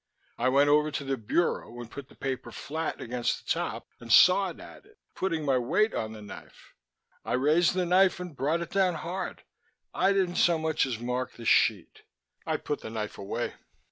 I went over to the bureau and put the paper flat against the top and sawed at it, putting my weight on the knife. I raised the knife and brought it down hard. I didn't so much as mark the sheet. I put the knife away.